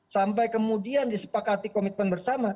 sampai kemudian disepakati komitmen bersama